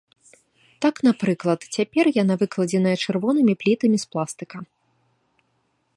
Так, напрыклад, цяпер яна выкладзеная чырвонымі плітамі з пластыка.